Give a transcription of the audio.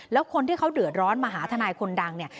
แล้วคนที่เขาเดือดร้อนมาหาทนายคนดังเนี่ย